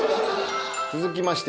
続きまして。